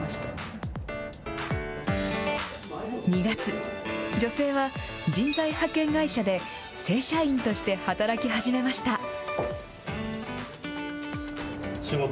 ２月、女性は人材派遣会社で正社員として働き始めました。